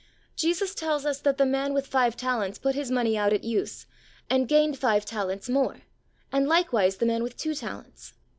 Jesus tells us that the man with five talents put his money out at use and gained five talents more, and likewise the man with two talents.